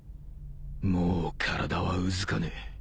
もう体はうずかねえ